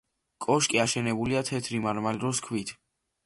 კოშკი აშენებულია თეთრი მარმარილოს ქვით.